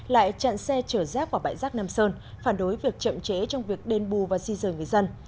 lại chặn xe chở rác vào bãi rác nam sơn phản đối việc chậm chế trong việc đền bù và di dời người dân